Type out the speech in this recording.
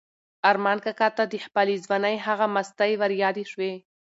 ارمان کاکا ته د خپلې ځوانۍ هغه مستۍ وریادې شوې.